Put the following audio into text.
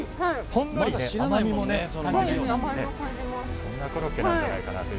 ほんのり甘みも感じるそんなコロッケじゃないかと。